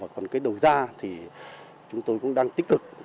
còn cái đầu ra thì chúng tôi cũng đang tích cực